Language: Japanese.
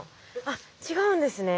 あっ違うんですね。